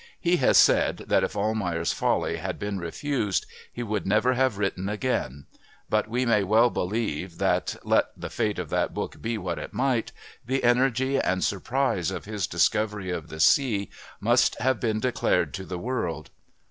He has said that if Almayer's Folly had been refused he would never have written again, but we may well believe that, let the fate of that book be what it might, the energy and surprise of his discovery of the sea must have been declared to the world.